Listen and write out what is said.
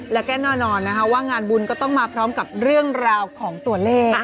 แล้วก็แน่นอนนะคะว่างานบุญก็ต้องมาพร้อมกับเรื่องราวของตัวเลข